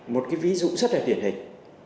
một ví dụ rất là thiển hình